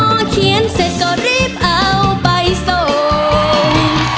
พอเขียนเสร็จก็รีบเอาไปส่ง